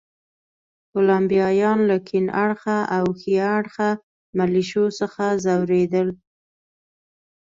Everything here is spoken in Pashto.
کولمبیایان له کیڼ اړخه او ښي اړخه ملېشو څخه ځورېدل.